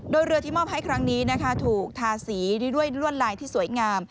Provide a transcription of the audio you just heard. โดยเรือที่มอบให้ครั้งนี้นะคะถูกทาสีด้วยลวดลายที่สวยงาม